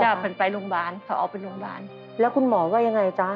ฉันไปโรงพยาบาลเขาออกไปโรงพยาบาลแล้วคุณหมอว่ายังไงจ๊ะ